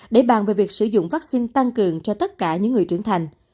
để bàn về việc sử dụng vaccine tăng cường cho tất cả những người trưởng thành